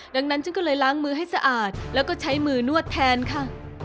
ดังนั้นฉันก็เลยล้างมือให้สะอาดแล้วก็ใช้มือนวดแทนค่ะ